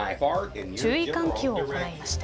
注意喚起を行いました。